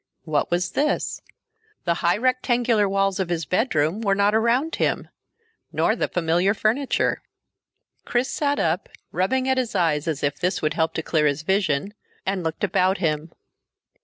What was this? The high regular walls of his bedroom were not around him, nor the familiar furniture. Chris sat up, rubbing at his eyes as if this would help to clear his vision, and looked about him.